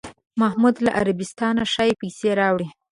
محمود له عربستانه ښې پسې راوړې.